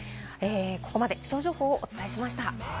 ここまで気象情報をお伝えしました。